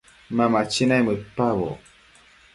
Ma machi naimëdpaboc